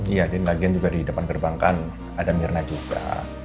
iya din lagian juga di depan gerbang kan ada myrna juga